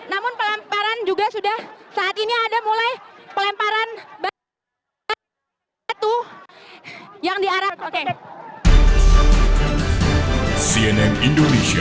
namun pelamparan juga sudah saat ini ada mulai pelemparan batu yang diarah oke cnn indonesia